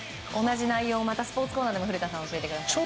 同じ内容をまたスポーツコーナーでも古田さん、教えてください。